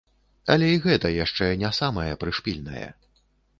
Але і гэта яшчэ не самае прышпільнае.